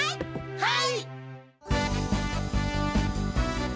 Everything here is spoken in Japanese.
はい！